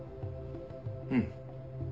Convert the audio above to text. うん。